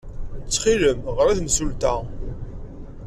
Ttxil-m, ɣer i temsulta.